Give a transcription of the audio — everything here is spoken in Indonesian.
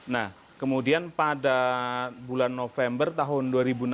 nah kemudian pada bulan november tahun dua ribu enam belas